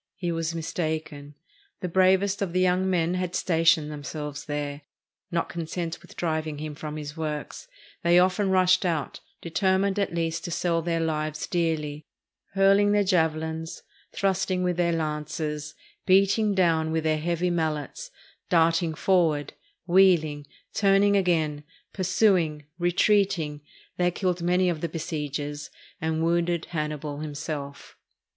He was mistaken. The bravest of the young men had stationed themselves there. Not content with driving him from his works, they often rushed out, determined 424 SACRIFICE OF THE PEOPLE OF SAGUNTUM at least to sell their lives dearly. Hurling their javelins, thrusting with their lances, beating down with their heavy mallets, darting forward, wheeling, turning again, pursuing, retreating, they killed many of the besiegers, and wounded Hannibal himself.